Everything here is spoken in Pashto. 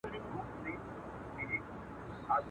ژوند که ورته غواړې وایه وسوځه.